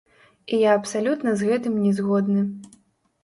І я абсалютна з гэтым не згодны.